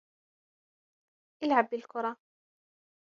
اِلْعَبْ بِالْكُرَةِ.